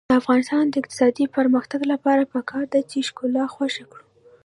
د افغانستان د اقتصادي پرمختګ لپاره پکار ده چې ښکلا خوښه کړو.